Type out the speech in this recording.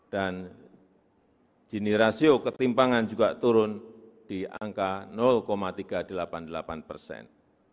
dan jenis rasio ketimpangan juga turun di angka tiga ratus delapan puluh delapan persen